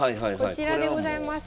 こちらでございます。